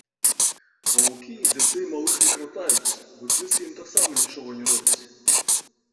Ваўкі дзяцей малых не кратаюць, бо дзеці ім таксама нічога не робяць.